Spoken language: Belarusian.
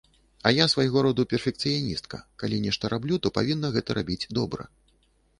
А я свайго роду перфекцыяністка, калі нешта раблю, то павінна гэта рабіць добра.